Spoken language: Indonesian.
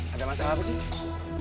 ada masalah apa sih